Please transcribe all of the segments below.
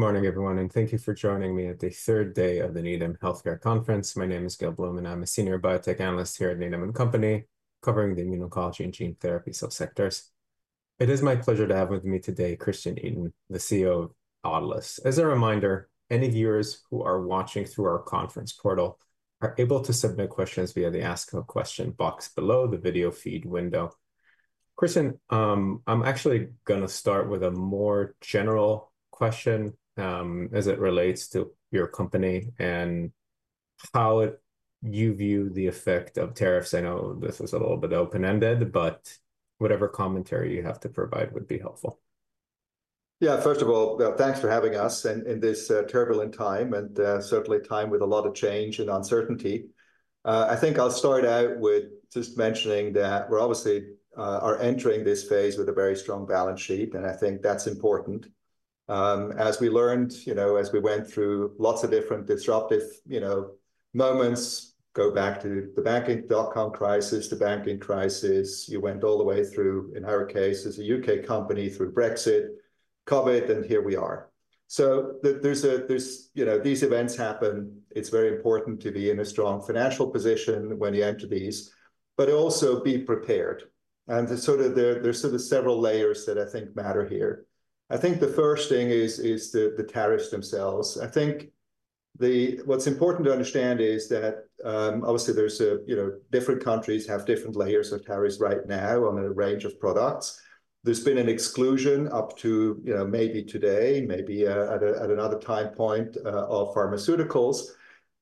Good morning, everyone, and thank you for joining me at the third day of the Needham Healthcare Conference. My name is Gil Blum, and I'm a senior biotech analyst here at Needham & Company, covering the immunology and gene therapy subsectors. It is my pleasure to have with me today Christian Itin, the CEO of Autolus. As a reminder, any viewers who are watching through our conference portal are able to submit questions via the Ask a Question box below the video feed window. Christian, I'm actually going to start with a more general question as it relates to your company and how you view the effect of tariffs. I know this was a little bit open-ended, but whatever commentary you have to provide would be helpful. Yeah, first of all, thanks for having us in this turbulent time and certainly a time with a lot of change and uncertainty. I think I'll start out with just mentioning that we're obviously entering this phase with a very strong balance sheet, and I think that's important. As we learned, you know, as we went through lots of different disruptive moments, go back to the dot-com crisis, the banking crisis, you went all the way through, in our case, as a U.K. company through Brexit, COVID, and here we are. These events happen. It's very important to be in a strong financial position when you enter these, but also be prepared. There are sort of several layers that I think matter here. I think the first thing is the tariffs themselves. I think what's important to understand is that obviously different countries have different layers of tariffs right now on a range of products. There's been an exclusion up to maybe today, maybe at another time point of pharmaceuticals.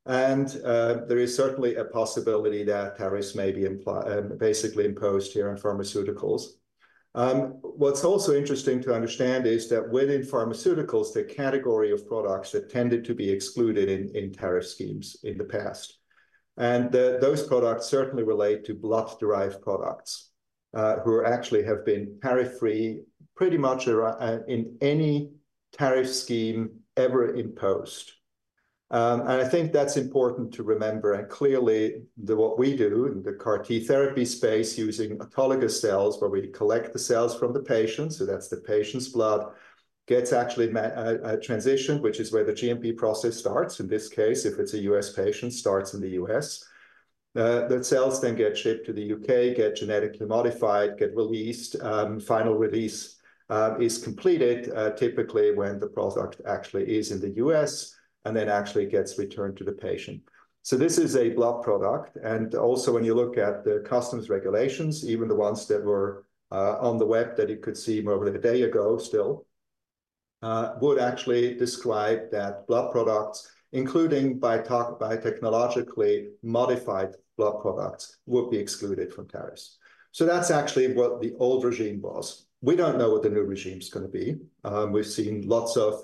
There is certainly a possibility that tariffs may be basically imposed here on pharmaceuticals. What's also interesting to understand is that within pharmaceuticals, there are categories of products that tended to be excluded in tariff schemes in the past. Those products certainly relate to blood-derived products, which actually have been tariff-free pretty much in any tariff scheme ever imposed. I think that's important to remember. Clearly, what we do in the CAR-T therapy space using autologous cells where we collect the cells from the patient, so that's the patient's blood, gets actually transitioned, which is where the GMP process starts. In this case, if it's a U.S. patient, it starts in the U.S. The cells then get shipped to the U.K., get genetically modified, get released, final release is completed typically when the product actually is in the U.S. and then actually gets returned to the patient. This is a blood product. Also, when you look at the customs regulations, even the ones that were on the web that you could see more than a day ago still would actually describe that blood products, including biotechnologically modified blood products, would be excluded from tariffs. That is actually what the old regime was. We do not know what the new regime is going to be. We have seen lots of,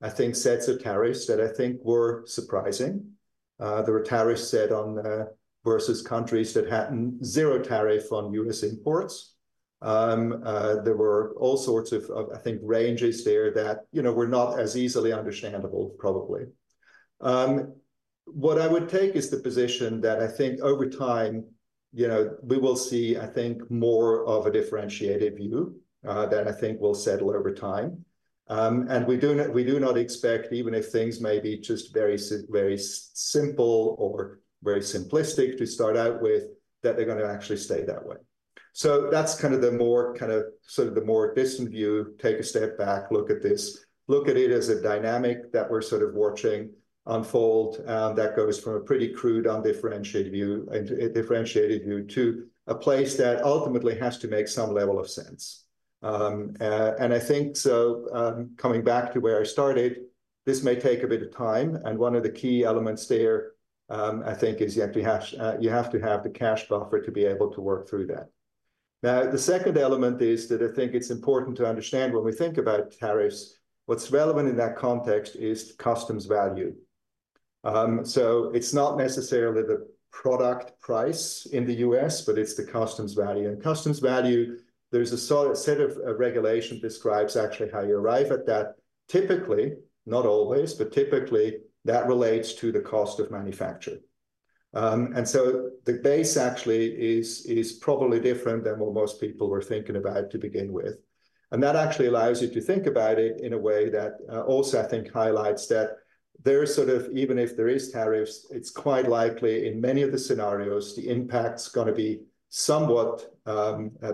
I think, sets of tariffs that I think were surprising. There were tariffs set on versus countries that had zero tariff on U.S. imports. There were all sorts of, I think, ranges there that were not as easily understandable, probably. What I would take is the position that I think over time, we will see, I think, more of a differentiated view that I think will settle over time. We do not expect, even if things may be just very simple or very simplistic to start out with, that they're going to actually stay that way. That is kind of the more kind of sort of the more distant view, take a step back, look at this, look at it as a dynamic that we're sort of watching unfold that goes from a pretty crude undifferentiated view to a place that ultimately has to make some level of sense. I think, coming back to where I started, this may take a bit of time. One of the key elements there, I think, is you have to have the cash buffer to be able to work through that. The second element is that I think it's important to understand when we think about tariffs, what's relevant in that context is customs value. It's not necessarily the product price in the U.S., but it's the customs value. Customs value, there's a set of regulation describes actually how you arrive at that. Typically, not always, but typically that relates to the cost of manufacture. The base actually is probably different than what most people were thinking about to begin with. That actually allows you to think about it in a way that also, I think, highlights that there's sort of, even if there are tariffs, it's quite likely in many of the scenarios, the impact is going to be somewhat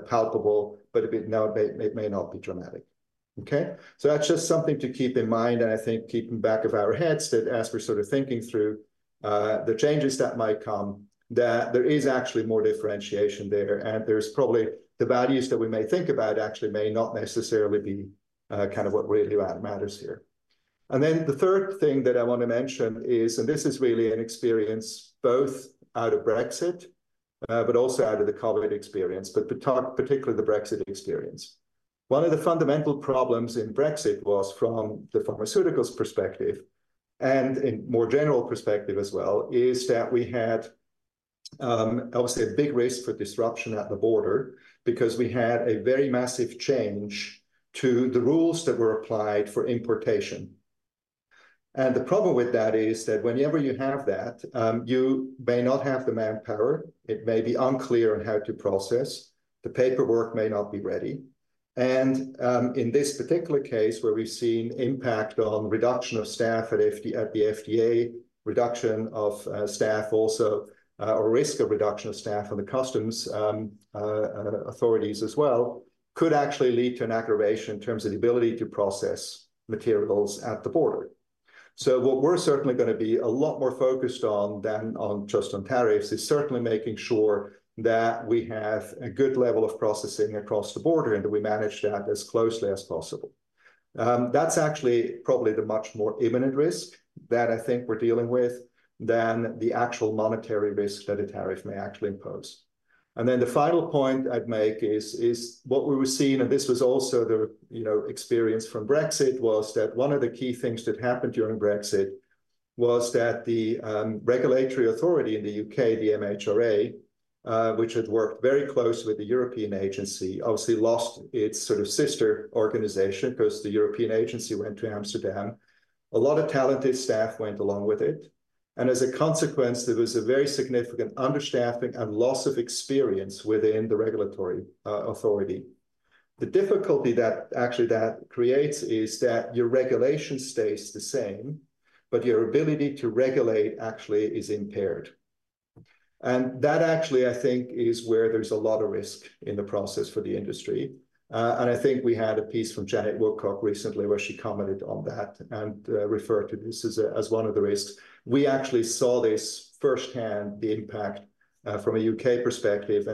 palpable, but it may not be dramatic. That is just something to keep in mind. I think keeping back of our heads that as we're sort of thinking through the changes that might come, that there is actually more differentiation there. There's probably the values that we may think about actually may not necessarily be kind of what really matters here. The third thing that I want to mention is, and this is really an experience both out of Brexit, but also out of the COVID experience, but particularly the Brexit experience. One of the fundamental problems in Brexit was from the pharmaceuticals perspective and in more general perspective as well is that we had obviously a big risk for disruption at the border because we had a very massive change to the rules that were applied for importation. The problem with that is that whenever you have that, you may not have the manpower. It may be unclear on how to process. The paperwork may not be ready. In this particular case, where we've seen impact on reduction of staff at the FDA, reduction of staff also, or risk of reduction of staff on the customs authorities as well, could actually lead to an aggravation in terms of the ability to process materials at the border. What we're certainly going to be a lot more focused on than just on tariffs is certainly making sure that we have a good level of processing across the border and that we manage that as closely as possible. That's actually probably the much more imminent risk that I think we're dealing with than the actual monetary risk that a tariff may actually impose. The final point I'd make is what we were seeing, and this was also the experience from Brexit, was that one of the key things that happened during Brexit was that the regulatory authority in the U.K., the MHRA, which had worked very closely with the European Medicines Agency, obviously lost its sort of sister organization because the European Medicines Agency went to Amsterdam. A lot of talented staff went along with it. As a consequence, there was a very significant understaffing and loss of experience within the regulatory authority. The difficulty that actually that creates is that your regulation stays the same, but your ability to regulate actually is impaired. That actually, I think, is where there's a lot of risk in the process for the industry. I think we had a piece from Janet Woodcock recently where she commented on that and referred to this as one of the risks. We actually saw this firsthand, the impact from a U.K. perspective.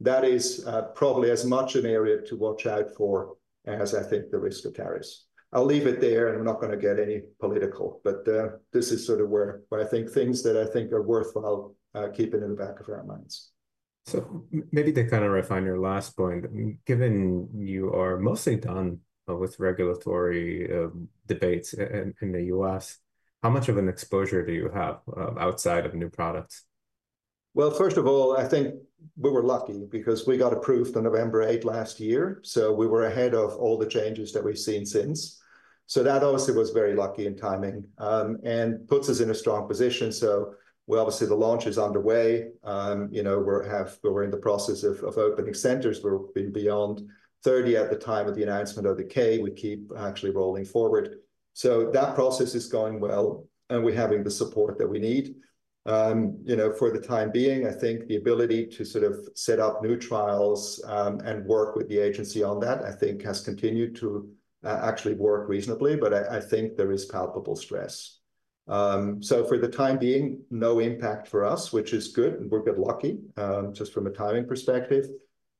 That is probably as much an area to watch out for as I think the risk of tariffs. I'll leave it there, and we're not going to get any political, but this is sort of where I think things that I think are worthwhile keeping in the back of our minds. Maybe to kind of refine your last point, given you are mostly done with regulatory debates in the U.S., how much of an exposure do you have outside of new products? First of all, I think we were lucky because we got approved on November 8 last year. We were ahead of all the changes that we've seen since. That obviously was very lucky in timing and puts us in a strong position. The launch is underway. We're in the process of opening centers. We've been beyond 30 at the time of the announcement of the U.K. We keep actually rolling forward. That process is going well, and we're having the support that we need. For the time being, I think the ability to sort of set up new trials and work with the agency on that has continued to actually work reasonably, but I think there is palpable stress. For the time being, no impact for us, which is good. We're good lucky just from a timing perspective.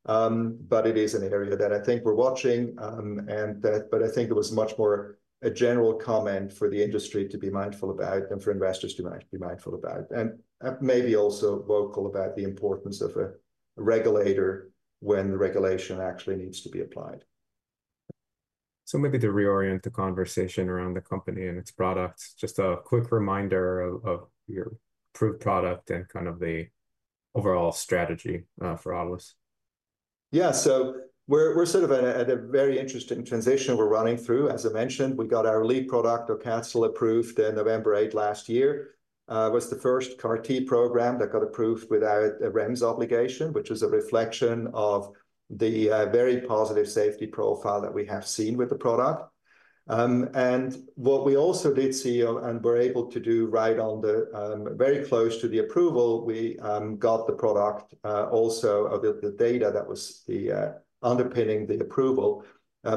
It is an area that I think we're watching. I think there was much more a general comment for the industry to be mindful about and for investors to be mindful about and maybe also vocal about the importance of a regulator when the regulation actually needs to be applied. Maybe to reorient the conversation around the company and its product, just a quick reminder of your approved product and kind of the overall strategy for Autolus. Yeah, so we're sort of at a very interesting transition we're running through. As I mentioned, we got our lead product Aucatzyl approved on November 8 last year. It was the first CAR-T program that got approved without a REMS obligation, which was a reflection of the very positive safety profile that we have seen with the product. What we also did see and were able to do right on the very close to the approval, we got the product also of the data that was underpinning the approval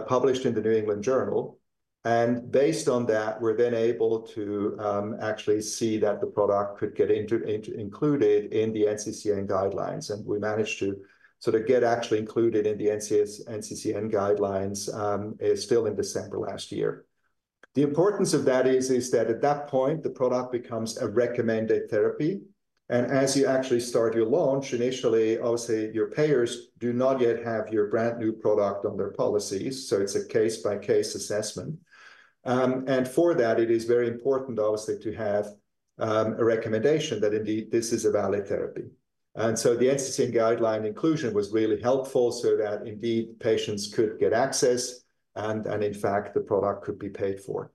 published in the New England Journal. Based on that, we're then able to actually see that the product could get included in the NCCN guidelines. We managed to sort of get actually included in the NCCN guidelines still in December last year. The importance of that is that at that point, the product becomes a recommended therapy. As you actually start your launch, initially, obviously, your payers do not yet have your brand new product on their policies. It is a case-by-case assessment. For that, it is very important, obviously, to have a recommendation that indeed this is a valid therapy. The NCCN guideline inclusion was really helpful so that indeed patients could get access and, in fact, the product could be paid for.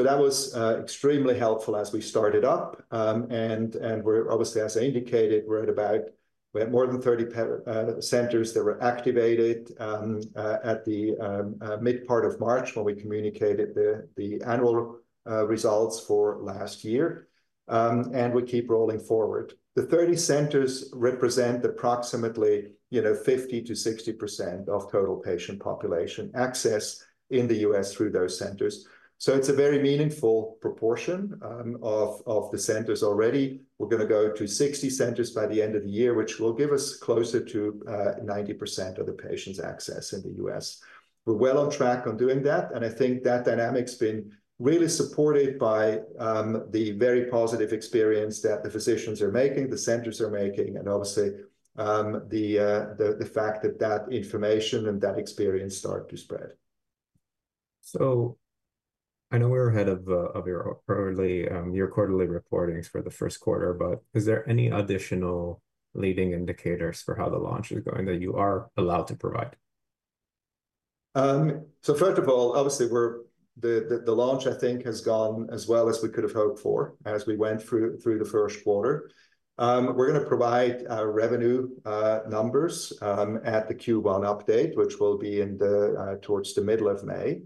That was extremely helpful as we started up. Obviously, as I indicated, we had more than 30 centers that were activated at the mid part of March when we communicated the annual results for last year. We keep rolling forward. The 30 centers represent approximately 50%-60% of total patient population access in the U.S. through those centers. It is a very meaningful proportion of the centers already. We're going to go to 60 centers by the end of the year, which will give us closer to 90% of the patients' access in the U.S. We're well on track on doing that. I think that dynamic's been really supported by the very positive experience that the physicians are making, the centers are making, and obviously the fact that that information and that experience start to spread. I know we were ahead of your quarterly reporting for the first quarter, but is there any additional leading indicators for how the launch is going that you are allowed to provide? First of all, obviously, the launch, I think, has gone as well as we could have hoped for as we went through the first quarter. We're going to provide revenue numbers at the Q1 update, which will be towards the middle of May.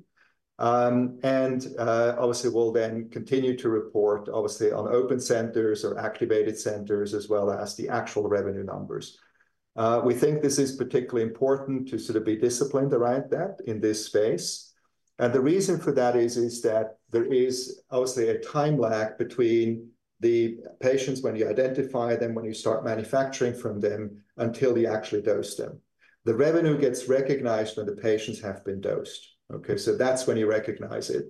Obviously, we'll then continue to report, obviously, on open centers or activated centers as well as the actual revenue numbers. We think this is particularly important to sort of be disciplined around that in this space. The reason for that is that there is obviously a time lag between the patients when you identify them, when you start manufacturing from them, until you actually dose them. The revenue gets recognized when the patients have been dosed. Okay? That's when you recognize it.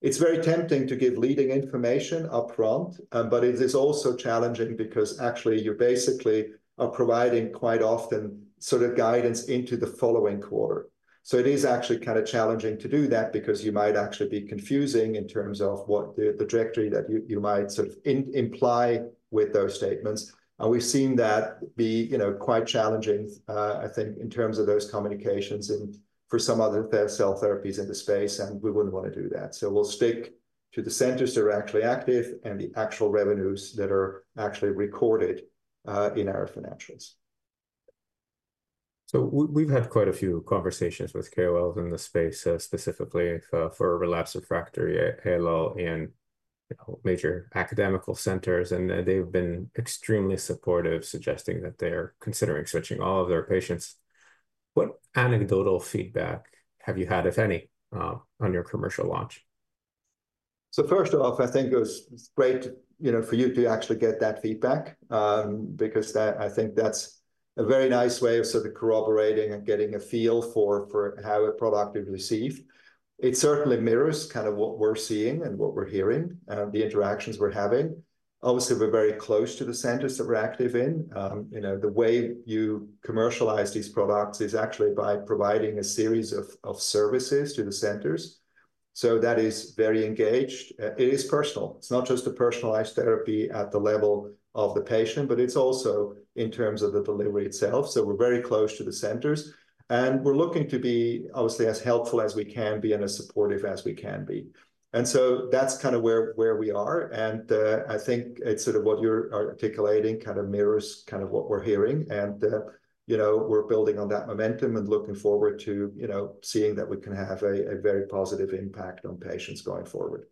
It's very tempting to give leading information upfront, but it is also challenging because actually you're basically providing quite often sort of guidance into the following quarter. It is actually kind of challenging to do that because you might actually be confusing in terms of what the trajectory that you might sort of imply with those statements. We've seen that be quite challenging, I think, in terms of those communications for some other cell therapies in the space, and we wouldn't want to do that. We'll stick to the centers that are actually active and the actual revenues that are actually recorded in our financials. We've had quite a few conversations with KOLs in the space specifically for relapsed/refractory ALL in major academic centers, and they've been extremely supportive suggesting that they're considering switching all of their patients. What anecdotal feedback have you had, if any, on your commercial launch? First off, I think it was great for you to actually get that feedback because I think that's a very nice way of sort of corroborating and getting a feel for how a product is received. It certainly mirrors kind of what we're seeing and what we're hearing and the interactions we're having. Obviously, we're very close to the centers that we're active in. The way you commercialize these products is actually by providing a series of services to the centers. That is very engaged. It is personal. It's not just a personalized therapy at the level of the patient, but it's also in terms of the delivery itself. We're very close to the centers, and we're looking to be obviously as helpful as we can be and as supportive as we can be. That's kind of where we are. I think it's sort of what you're articulating kind of mirrors kind of what we're hearing. We're building on that momentum and looking forward to seeing that we can have a very positive impact on patients going forward.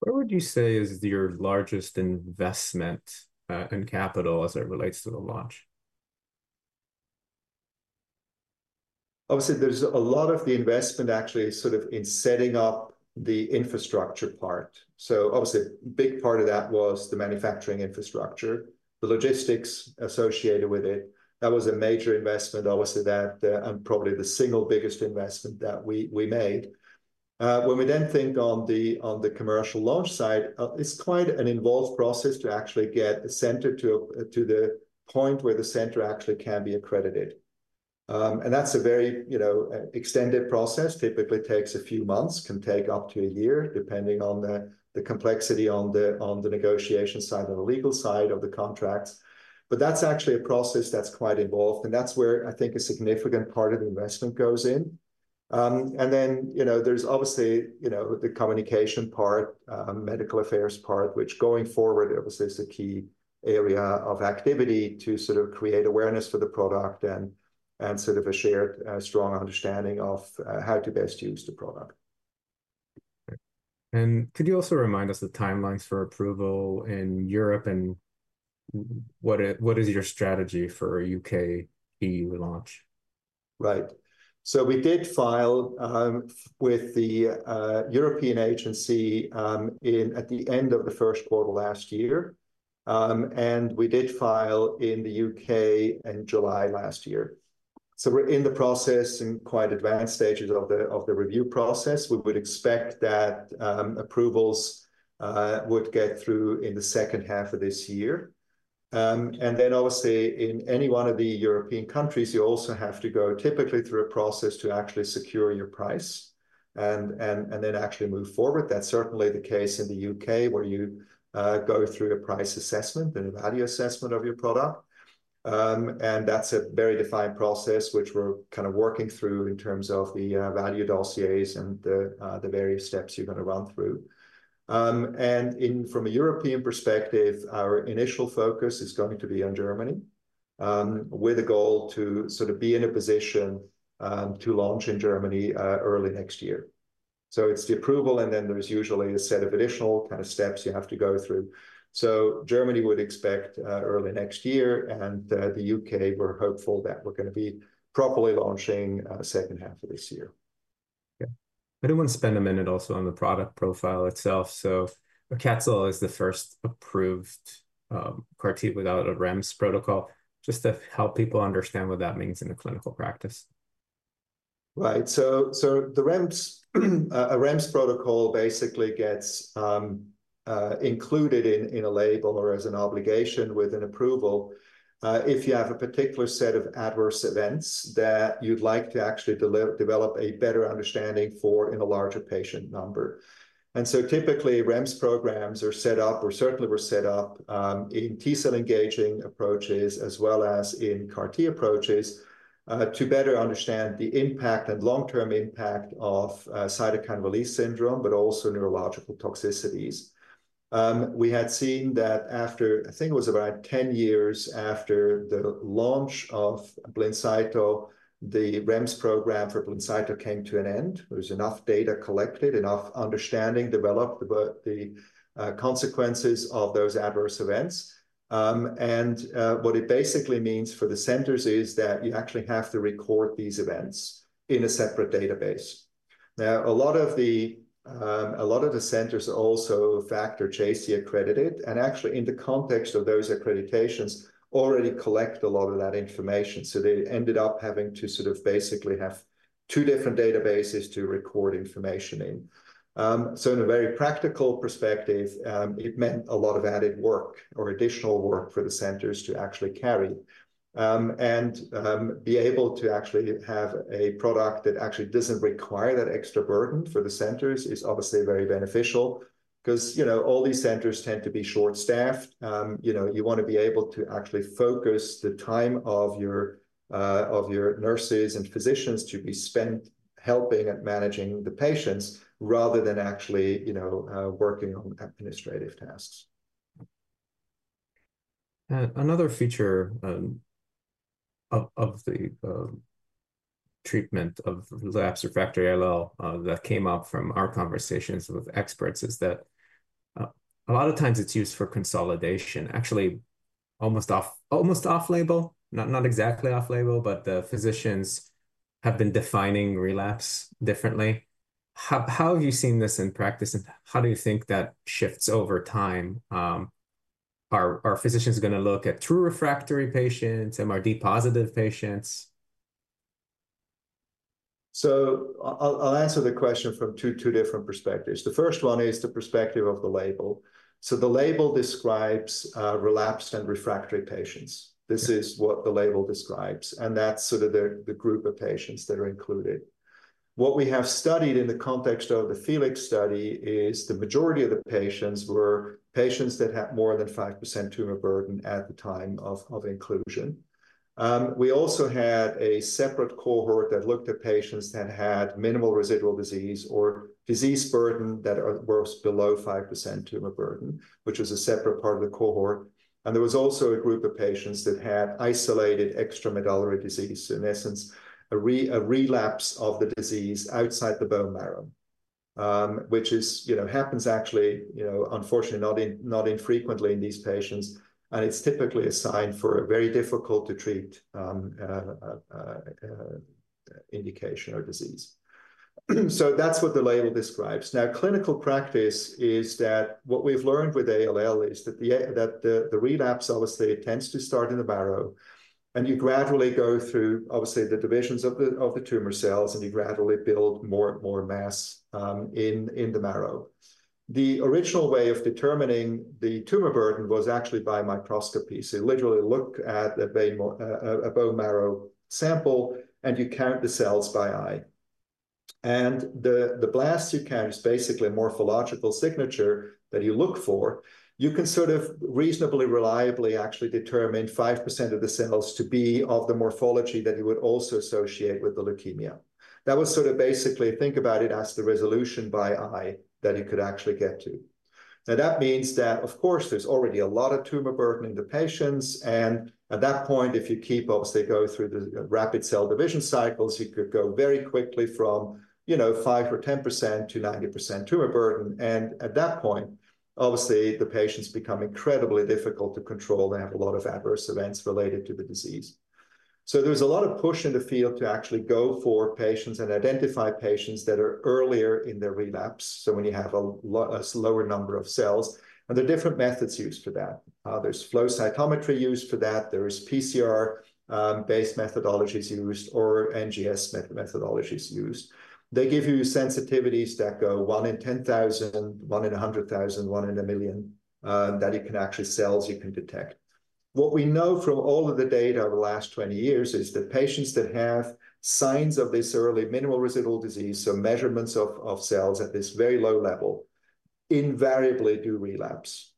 What would you say is your largest investment in capital as it relates to the launch? Obviously, there's a lot of the investment actually sort of in setting up the infrastructure part. Obviously, a big part of that was the manufacturing infrastructure, the logistics associated with it. That was a major investment, obviously, that and probably the single biggest investment that we made. When we then think on the commercial launch side, it's quite an involved process to actually get the center to the point where the center actually can be accredited. That's a very extended process. Typically, it takes a few months, can take up to a year, depending on the complexity on the negotiation side of the legal side of the contracts. That's actually a process that's quite involved. That's where I think a significant part of the investment goes in. There is obviously the communication part, medical affairs part, which going forward, obviously, is a key area of activity to sort of create awareness for the product and sort of a shared strong understanding of how to best use the product. Could you also remind us the timelines for approval in Europe and what is your strategy for a U.K. EU launch? Right. We did file with the European Medicines Agency at the end of the first quarter last year. We did file in the U.K. in July last year. We are in the process in quite advanced stages of the review process. We would expect that approvals would get through in the second half of this year. Obviously, in any one of the European countries, you also have to go typically through a process to actually secure your price and then actually move forward. That is certainly the case in the U.K., where you go through a price assessment and a value assessment of your product. That is a very defined process, which we are kind of working through in terms of the value dossiers and the various steps you are going to run through. From a European perspective, our initial focus is going to be on Germany with a goal to sort of be in a position to launch in Germany early next year. It is the approval, and then there is usually a set of additional kind of steps you have to go through. Germany would expect early next year, and the U.K., we are hopeful that we are going to be properly launching the second half of this year. I didn't want to spend a minute also on the product profile itself. Aucatzyl is the first approved CAR-T without a REMS protocol. Just to help people understand what that means in a clinical practice. Right. A REMS protocol basically gets included in a label or as an obligation with an approval if you have a particular set of adverse events that you'd like to actually develop a better understanding for in a larger patient number. Typically, REMS programs are set up or certainly were set up in T-cell engaging approaches as well as in CAR-T approaches to better understand the impact and long-term impact of cytokine release syndrome, but also neurological toxicities. We had seen that after, I think it was about 10 years after the launch of Blincyto, the REMS program for Blincyto came to an end. There was enough data collected, enough understanding developed about the consequences of those adverse events. What it basically means for the centers is that you actually have to record these events in a separate database. Now, a lot of the centers also FACT or JACIE-accredited and actually in the context of those accreditations already collect a lot of that information. They ended up having to sort of basically have two different databases to record information in. In a very practical perspective, it meant a lot of added work or additional work for the centers to actually carry. To be able to actually have a product that actually does not require that extra burden for the centers is obviously very beneficial because all these centers tend to be short-staffed. You want to be able to actually focus the time of your nurses and physicians to be spent helping and managing the patients rather than actually working on administrative tasks. Another feature of the treatment of relapsed/refractory ALL that came up from our conversations with experts is that a lot of times it's used for consolidation, actually almost off... Almost off-label? Not exactly off-label, but the physicians have been defining relapse differently. How have you seen this in practice, and how do you think that shifts over time? Are physicians going to look at true refractory patients and more MRD positive patients? I'll answer the question from two different perspectives. The first one is the perspective of the label. The label describes relapsed and refractory patients. This is what the label describes, and that's sort of the group of patients that are included. What we have studied in the context of the FELIX study is the majority of the patients were patients that had more than 5% tumor burden at the time of inclusion. We also had a separate cohort that looked at patients that had minimal residual disease or disease burden that was below 5% tumor burden, which was a separate part of the cohort. There was also a group of patients that had isolated extramedullary disease, in essence, a relapse of the disease outside the bone marrow, which happens actually, unfortunately, not infrequently in these patients. It's typically a sign for a very difficult-to-treat indication or disease. That's what the label describes. Now, clinical practice is that what we've learned with ALL is that the relapse, obviously, tends to start in the marrow. You gradually go through, obviously, the divisions of the tumor cells, and you gradually build more and more mass in the marrow. The original way of determining the tumor burden was actually by microscopy. You literally look at a bone marrow sample, and you count the cells by eye. The blasts you count is basically a morphological signature that you look for. You can sort of reasonably reliably actually determine 5% of the cells to be of the morphology that you would also associate with the leukemia. That was sort of basically think about it as the resolution by eye that you could actually get to. Now, that means that, of course, there's already a lot of tumor burden in the patients. At that point, if you keep, obviously, going through the rapid cell division cycles, you could go very quickly from 5% or 10% to 90% tumor burden. At that point, obviously, the patients become incredibly difficult to control. They have a lot of adverse events related to the disease. There is a lot of push in the field to actually go for patients and identify patients that are earlier in their relapse. When you have a lower number of cells, and there are different methods used for that. There is flow cytometry used for that. There are PCR-based methodologies used or NGS methodologies used. They give you sensitivities that go one in 10,000, one in 100,000, one in a million that you can actually cells you can detect. What we know from all of the data over the last 20 years is that patients that have signs of this early minimal residual disease, so measurements of cells at this very low level, invariably do relapse.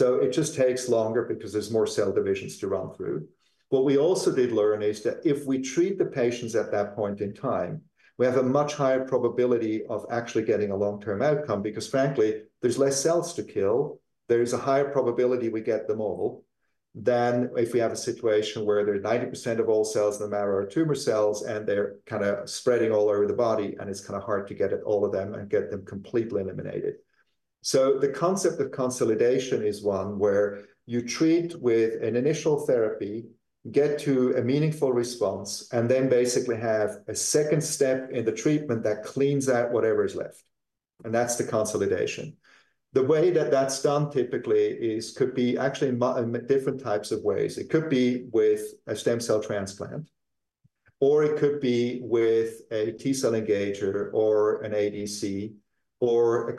It just takes longer because there's more cell divisions to run through. What we also did learn is that if we treat the patients at that point in time, we have a much higher probability of actually getting a long-term outcome because, frankly, there's less cells to kill. There's a higher probability we get them all than if we have a situation where there's 90% of all cells in the marrow are tumor cells, and they're kind of spreading all over the body, and it's kind of hard to get at all of them and get them completely eliminated. The concept of consolidation is one where you treat with an initial therapy, get to a meaningful response, and then basically have a second step in the treatment that cleans out whatever is left. That is the consolidation. The way that is done typically could be actually in different types of ways. It could be with a stem cell transplant, or it could be with a T-cell engager or an ADC or a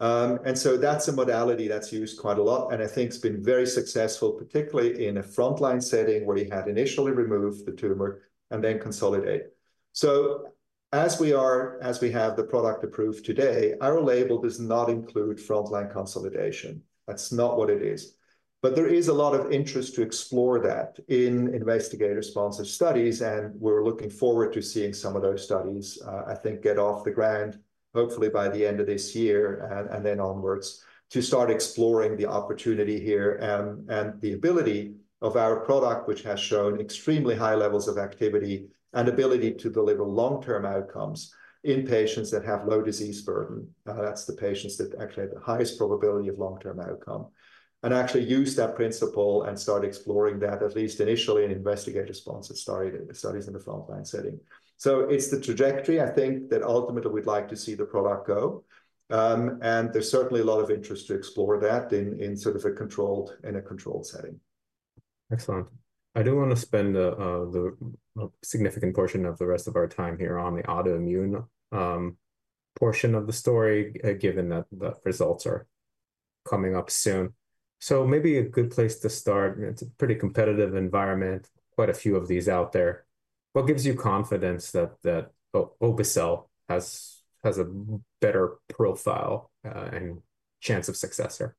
CAR-T. That is a modality that is used quite a lot, and I think it has been very successful, particularly in a frontline setting where you had initially removed the tumor and then consolidate. As we have the product approved today, our label does not include frontline consolidation. That is not what it is. There is a lot of interest to explore that in investigator-sponsored studies, and we're looking forward to seeing some of those studies, I think, get off the ground, hopefully by the end of this year and then onwards to start exploring the opportunity here and the ability of our product, which has shown extremely high levels of activity and ability to deliver long-term outcomes in patients that have low disease burden. That's the patients that actually have the highest probability of long-term outcome and actually use that principle and start exploring that, at least initially in investigator-sponsored studies in the frontline setting. It is the trajectory, I think, that ultimately we'd like to see the product go. There is certainly a lot of interest to explore that in sort of a controlled setting. Excellent. I don't want to spend a significant portion of the rest of our time here on the autoimmune portion of the story, given that the results are coming up soon. Maybe a good place to start, it's a pretty competitive environment, quite a few of these out there. What gives you confidence that Aucatzyl has a better profile and chance of success here?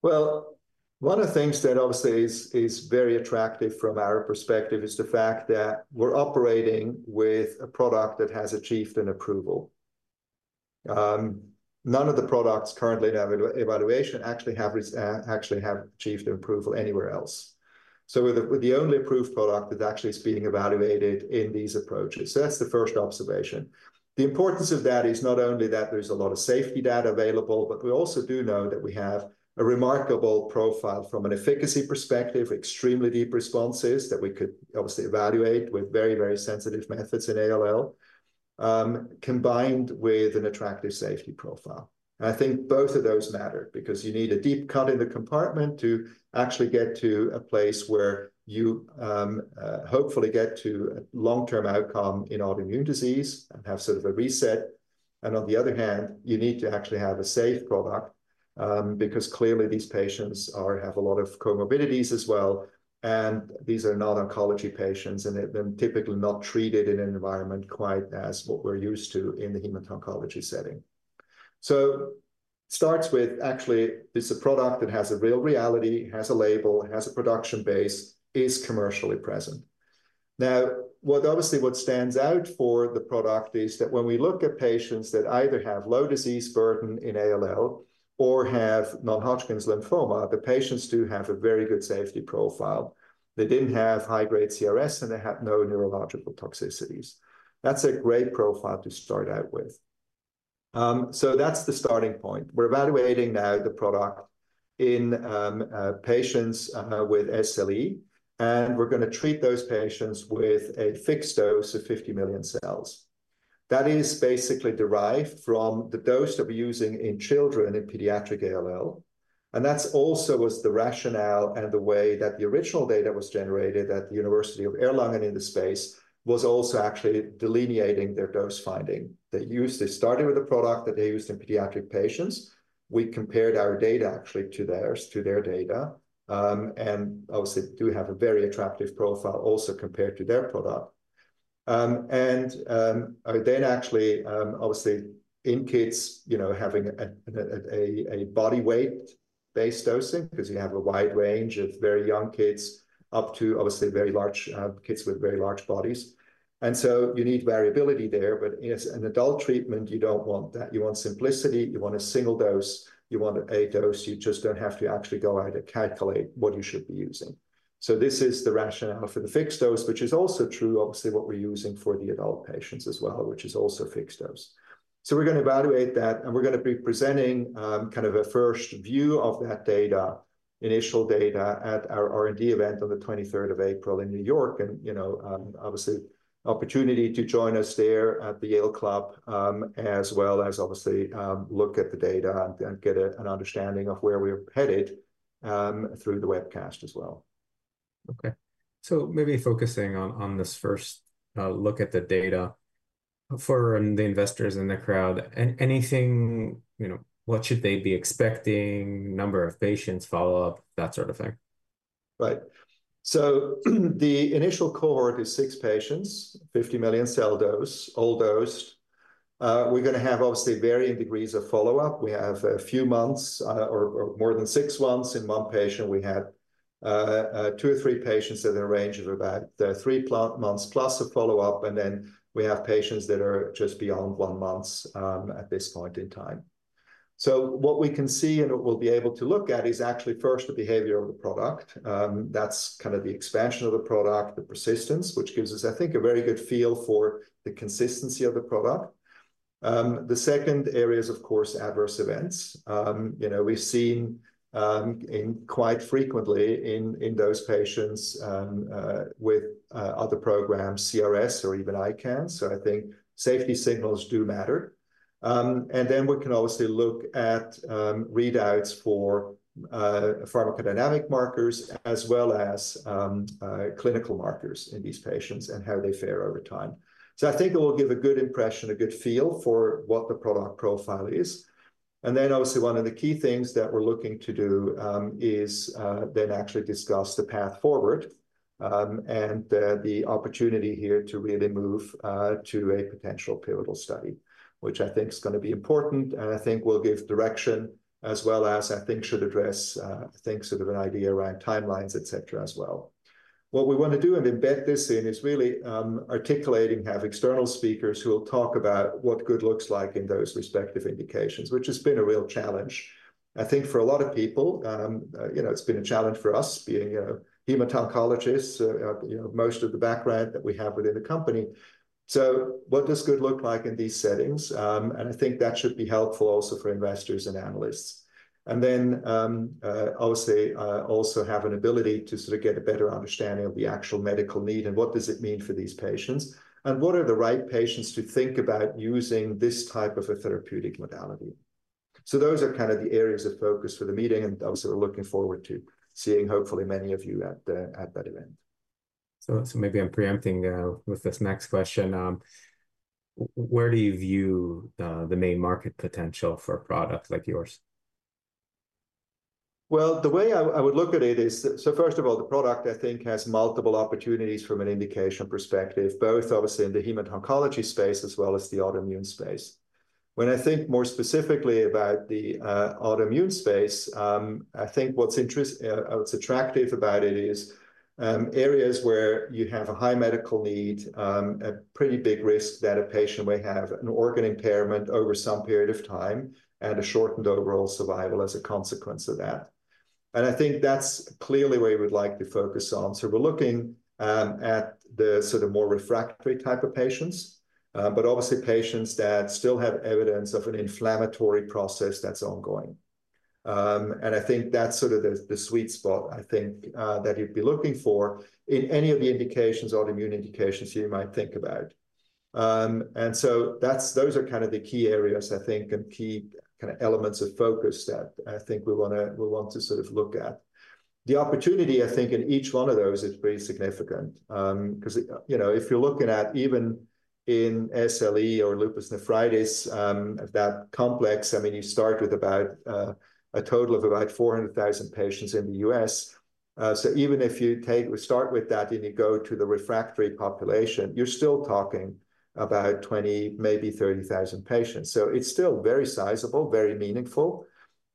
One of the things that obviously is very attractive from our perspective is the fact that we're operating with a product that has achieved an approval. None of the products currently in evaluation actually have achieved approval anywhere else. We are the only approved product that actually is being evaluated in these approaches. That is the first observation. The importance of that is not only that there is a lot of safety data available, but we also do know that we have a remarkable profile from an efficacy perspective, extremely deep responses that we could obviously evaluate with very, very sensitive methods in ALL combined with an attractive safety profile. I think both of those matter because you need a deep cut in the compartment to actually get to a place where you hopefully get to a long-term outcome in autoimmune disease and have sort of a reset. On the other hand, you need to actually have a safe product because clearly these patients have a lot of comorbidities as well. These are not oncology patients, and they're typically not treated in an environment quite as what we're used to in the hematology setting. It starts with actually this is a product that has a real reality, has a label, has a production base, is commercially present. Obviously, what stands out for the product is that when we look at patients that either have low disease burden in ALL or have non-Hodgkin's lymphoma, the patients do have a very good safety profile. They didn't have high-grade CRS, and they had no neurological toxicities. That's a great profile to start out with. That's the starting point. We're evaluating now the product in patients with SLE, and we're going to treat those patients with a fixed dose of 50 million cells. That is basically derived from the dose that we're using in children in pediatric ALL. That also was the rationale and the way that the original data was generated at the University of Erlangen in the space was also actually delineating their dose finding. They started with a product that they used in pediatric patients. We compared our data actually to their data, and obviously do have a very attractive profile also compared to their product. Actually, obviously, in kids having a body weight-based dosing because you have a wide range of very young kids up to obviously very large kids with very large bodies. You need variability there, but in an adult treatment, you don't want that. You want simplicity. You want a single dose. You want a dose. You just do not have to actually go out and calculate what you should be using. This is the rationale for the fixed dose, which is also true, obviously, for what we are using for the adult patients as well, which is also fixed dose. We are going to evaluate that, and we are going to be presenting kind of a first view of that data, initial data at our R&D event on the 23rd of April in New York. Obviously, opportunity to join us there at the Yale Club as well as look at the data and get an understanding of where we are headed through the webcast as well. Okay. Maybe focusing on this first look at the data for the investors in the crowd, what should they be expecting, number of patients, follow-up, that sort of thing? Right. The initial cohort is six patients, 50 million cell dose, all dosed. We're going to have obviously varying degrees of follow-up. We have a few months or more than six months in one patient. We had two or three patients at a range of about three months plus of follow-up, and then we have patients that are just beyond one month at this point in time. What we can see and what we'll be able to look at is actually first the behavior of the product. That's kind of the expansion of the product, the persistence, which gives us, I think, a very good feel for the consistency of the product. The second area is, of course, adverse events. We've seen quite frequently in those patients with other programs, CRS or even ICANS. I think safety signals do matter. We can obviously look at readouts for pharmacodynamic markers as well as clinical markers in these patients and how they fare over time. I think it will give a good impression, a good feel for what the product profile is. One of the key things that we are looking to do is actually discuss the path forward and the opportunity here to really move to a potential pivotal study, which I think is going to be important. I think we will give direction as well as address, I think, sort of an idea around timelines, et cetera, as well. What we want to do and embed this in is really articulating, have external speakers who will talk about what good looks like in those respective indications, which has been a real challenge. I think for a lot of people, it's been a challenge for us being hematologists, most of the background that we have within the company. What does good look like in these settings? I think that should be helpful also for investors and analysts. Obviously, also have an ability to sort of get a better understanding of the actual medical need and what does it mean for these patients and what are the right patients to think about using this type of a therapeutic modality. Those are kind of the areas of focus for the meeting and those that we're looking forward to seeing, hopefully, many of you at that event. Maybe I'm preempting with this next question. Where do you view the main market potential for a product like yours? The way I would look at it is, first of all, the product, I think, has multiple opportunities from an indication perspective, both obviously in the hematology space as well as the autoimmune space. When I think more specifically about the autoimmune space, I think what's attractive about it is areas where you have a high medical need, a pretty big risk that a patient may have an organ impairment over some period of time and a shortened overall survival as a consequence of that. I think that's clearly where we would like to focus on. We're looking at the sort of more refractory type of patients, obviously patients that still have evidence of an inflammatory process that's ongoing. I think that's sort of the sweet spot, I think, that you'd be looking for in any of the autoimmune indications you might think about. Those are kind of the key areas, I think, and key kind of elements of focus that I think we want to sort of look at. The opportunity, I think, in each one of those is pretty significant because if you're looking at even in SLE or lupus nephritis, that complex, I mean, you start with about a total of about 400,000 patients in the U.S. Even if you start with that and you go to the refractory population, you're still talking about 20, maybe 30,000 patients. It is still very sizable, very meaningful,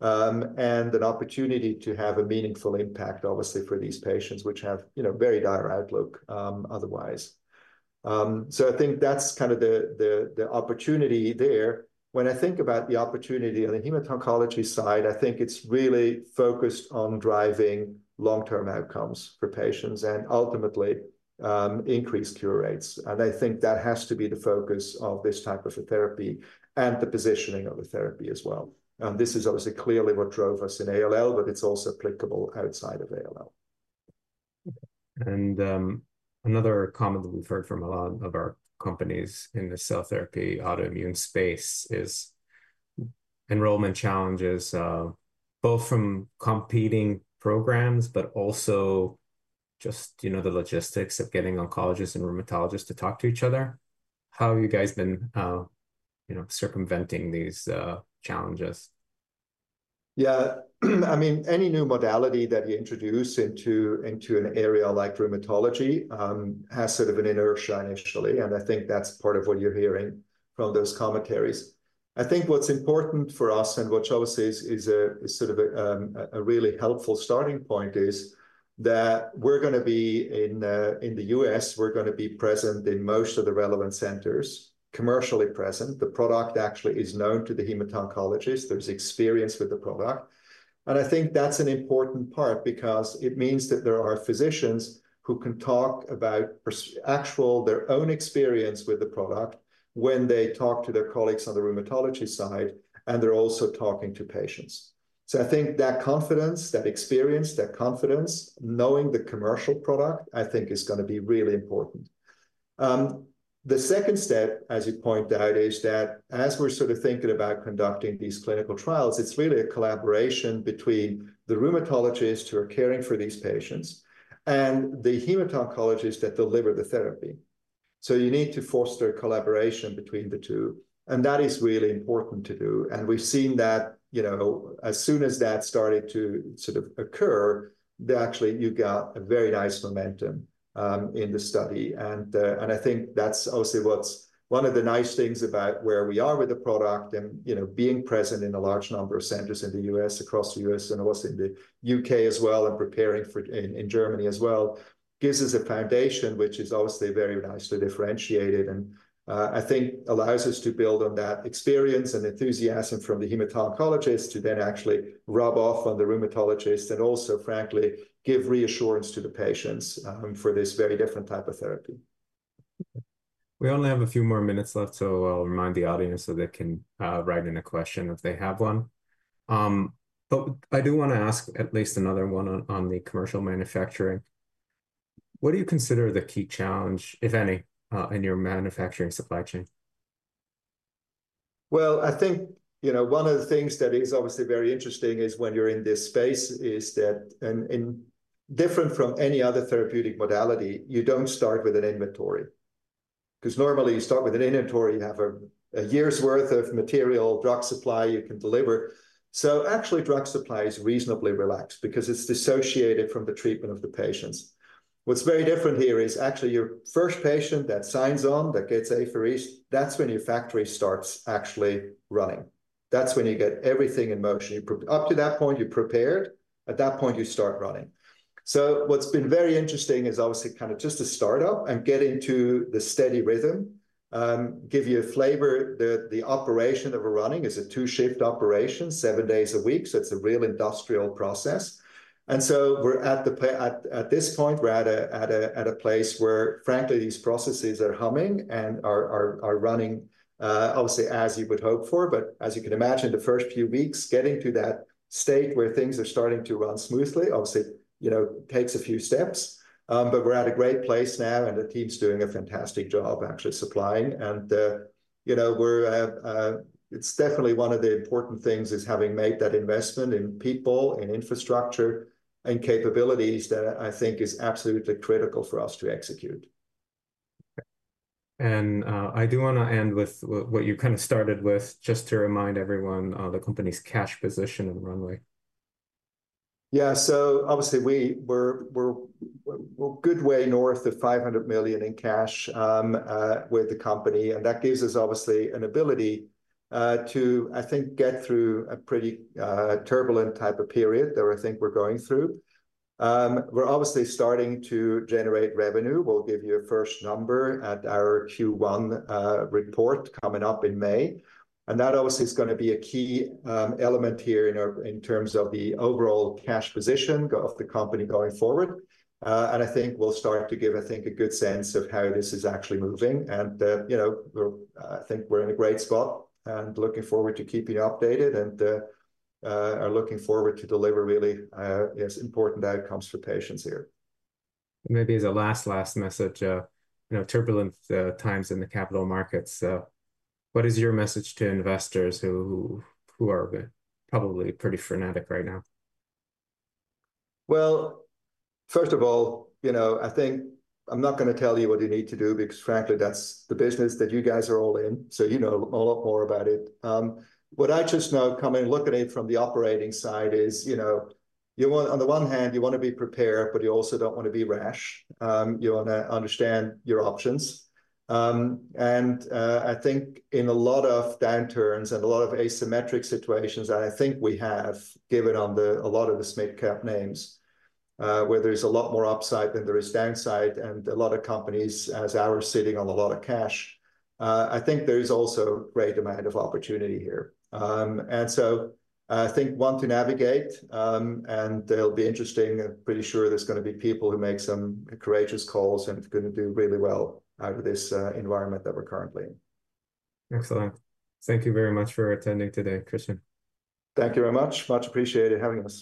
and an opportunity to have a meaningful impact, obviously, for these patients, which have very dire outlook otherwise. I think that's kind of the opportunity there. When I think about the opportunity on the hematology side, I think it's really focused on driving long-term outcomes for patients and ultimately increased cure rates. I think that has to be the focus of this type of a therapy and the positioning of the therapy as well. This is obviously clearly what drove us in ALL, but it's also applicable outside of ALL. Another comment that we've heard from a lot of our companies in the cell therapy autoimmune space is enrollment challenges, both from competing programs, but also just the logistics of getting oncologists and rheumatologists to talk to each other. How have you guys been circumventing these challenges? Yeah. I mean, any new modality that you introduce into an area like rheumatology has sort of an inertia initially. I think that's part of what you're hearing from those commentaries. I think what's important for us and what's obviously sort of a really helpful starting point is that we're going to be in the U.S., we're going to be present in most of the relevant centers, commercially present. The product actually is known to the hematologist. There's experience with the product. I think that's an important part because it means that there are physicians who can talk about their own experience with the product when they talk to their colleagues on the rheumatology side, and they're also talking to patients. I think that confidence, that experience, that confidence, knowing the commercial product, I think is going to be really important. The second step, as you point out, is that as we're sort of thinking about conducting these clinical trials, it's really a collaboration between the rheumatologists who are caring for these patients and the hematologists that deliver the therapy. You need to foster a collaboration between the two. That is really important to do. We've seen that as soon as that started to sort of occur, actually, you got a very nice momentum in the study. I think that's obviously one of the nice things about where we are with the product and being present in a large number of centers in the U.S., across the U.S., and also in the U.K. as well, and preparing in Germany as well, gives us a foundation, which is obviously very nicely differentiated and I think allows us to build on that experience and enthusiasm from the hematologists to then actually rub off on the rheumatologists and also, frankly, give reassurance to the patients for this very different type of therapy. We only have a few more minutes left, so I'll remind the audience so they can write in a question if they have one. I do want to ask at least another one on the commercial manufacturing. What do you consider the key challenge, if any, in your manufacturing supply chain? I think one of the things that is obviously very interesting is when you're in this space is that different from any other therapeutic modality, you don't start with an inventory. Because normally you start with an inventory, you have a year's worth of material drug supply you can deliver. Actually, drug supply is reasonably relaxed because it's dissociated from the treatment of the patients. What's very different here is actually your first patient that signs on, that gets apheresed, that's when your factory starts actually running. That's when you get everything in motion. Up to that point, you're prepared. At that point, you start running. What's been very interesting is obviously kind of just to start up and get into the steady rhythm, give you a flavor. The operation that we're running is a two-shift operation, seven days a week. It's a real industrial process. At this point, we're at a place where, frankly, these processes are humming and are running, obviously, as you would hope for. As you can imagine, the first few weeks getting to that state where things are starting to run smoothly, obviously, takes a few steps. We're at a great place now, and the team's doing a fantastic job actually supplying. It's definitely one of the important things is having made that investment in people, in infrastructure, and capabilities that I think is absolutely critical for us to execute. I do want to end with what you kind of started with, just to remind everyone of the company's cash position and runway. Yeah. Obviously, we're a good way north of $500 million in cash with the company. That gives us, obviously, an ability to, I think, get through a pretty turbulent type of period that I think we're going through. We're obviously starting to generate revenue. We'll give you a first number at our Q1 report coming up in May. That obviously is going to be a key element here in terms of the overall cash position of the company going forward. I think we'll start to give, I think, a good sense of how this is actually moving. I think we're in a great spot and looking forward to keeping you updated and are looking forward to deliver really important outcomes for patients here. Maybe as a last, last message, turbulent times in the capital markets. What is your message to investors who are probably pretty frenetic right now? First of all, I think I'm not going to tell you what you need to do because, frankly, that's the business that you guys are all in. You know a lot more about it. What I just know coming looking at it from the operating side is, on the one hand, you want to be prepared, but you also don't want to be rash. You want to understand your options. I think in a lot of downturns and a lot of asymmetric situations that I think we have given on a lot of the SMID-cap names, where there's a lot more upside than there is downside and a lot of companies as ours sitting on a lot of cash, I think there is also great demand of opportunity here. I think one to navigate, and it'll be interesting. I'm pretty sure there's going to be people who make some courageous calls and are going to do really well out of this environment that we're currently in. Excellent. Thank you very much for attending today, Christian. Thank you very much. Much appreciated having us.